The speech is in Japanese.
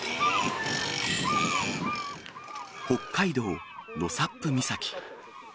北海道納沙布岬。